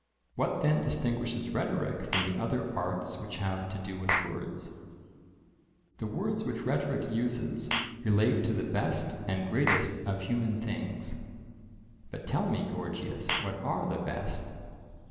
What then distinguishes rhetoric from the other arts which have to do with words? "The words which rhetoric uses relate to the best and greatest of human things." But tell me, Gorgias, what are the best?